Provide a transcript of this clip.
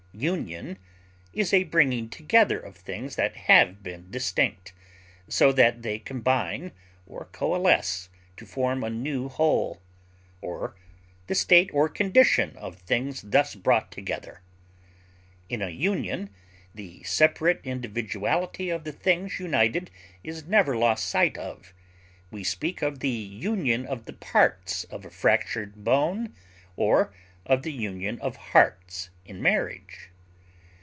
Union is a bringing together of things that have been distinct, so that they combine or coalesce to form a new whole, or the state or condition of things thus brought together; in a union the separate individuality of the things united is never lost sight of; we speak of the union of the parts of a fractured bone or of the union of hearts in marriage.